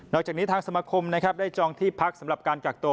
จากนี้ทางสมาคมนะครับได้จองที่พักสำหรับการกักตัว